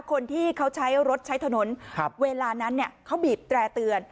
คนที่เขาใช้รถใช้ถนนเวลานั้นเขาบีบแตร่เตือน